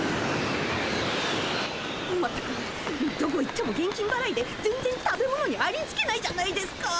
全くどこ行っても現金ばらいで全然食べ物にありつけないじゃないですか。